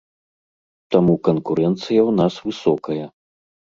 Таму канкурэнцыя ў нас высокая.